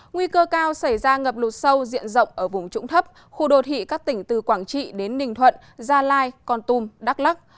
nguy cơ cao xảy ra ngập lụt sâu diện rộng ở vùng trũng thấp khu đô thị các tỉnh từ quảng trị đến ninh thuận gia lai con tum đắk lắc